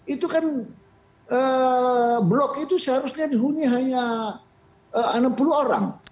itu kan blok itu seharusnya dihuni hanya enam puluh orang